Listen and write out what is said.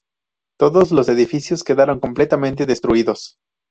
Todos los edificios quedaron completamente destruidos.